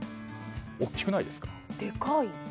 大きくないですか？